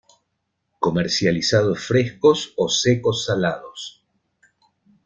Comercializados frescos o secos-salados.